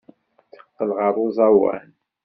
Teqqel ɣer uẓawan.